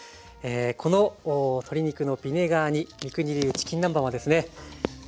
この鶏肉のビネガー煮三國流チキン南蛮はですね